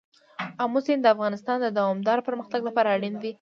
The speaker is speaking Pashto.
آمو سیند د افغانستان د دوامداره پرمختګ لپاره اړین دی.